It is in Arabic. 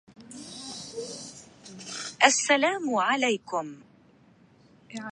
منتجات خاصة بذوي اليد اليسرى.